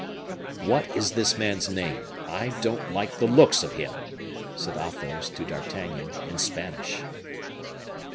"What is this man's name? I don't like the looks of him," said Athos to D'Artagnan in Spanish.